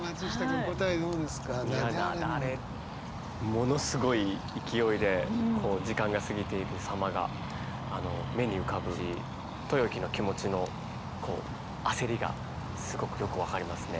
ものすごい勢いでこう時間が過ぎている様があの目に浮かぶし豊樹の気持ちの焦りがすごくよく分かりますね。